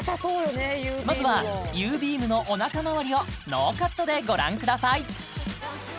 まずはゆーびーむ☆のおなかまわりをノーカットでご覧ください